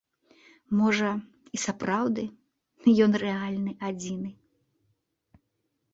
Можа, і сапраўды, ён рэальны адзіны?